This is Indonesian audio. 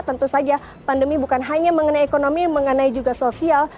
tentu saja pandemi bukan hanya mengenai ekonomi mengenai juga sosial